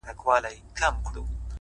پر موږ همېش یاره صرف دا رحم جهان کړی دی-